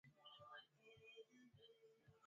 lugha ya Kituruki Walakini wanaisimu wengi hutangaza